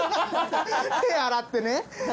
手洗ってね。